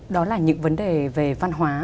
đó là những vấn đề về văn hóa